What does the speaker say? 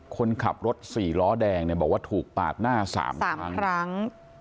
คนขับรถสี่ล้อแดงเนี่ยบอกว่าถูกปาดหน้า๓๓ครั้ง